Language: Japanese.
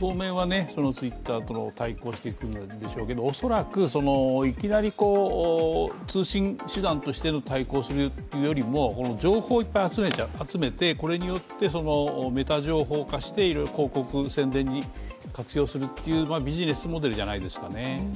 当面はＴｗｉｔｔｅｒと対抗してくんでしょうけど恐らくいきなり通信手段として対抗するよりも、情報をいっぱい集めて、これによってメタ情報化している広告・宣伝に活用するっていうビジネスモデルじゃないですかね。